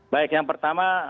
baik yang pertama